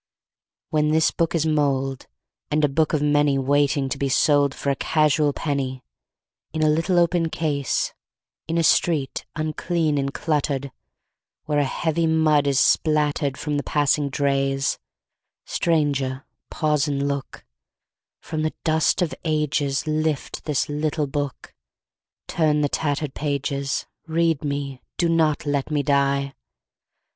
When this book is mould, And a book of many Waiting to be sold For a casual penny, In a little open case, In a street unclean and cluttered, Where a heavy mud is spattered From the passing drays, Stranger, pause and look; From the dust of ages Lift this little book, Turn the tattered pages, Read me, do not let me die!